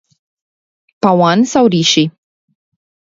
Pawan sau Rishi?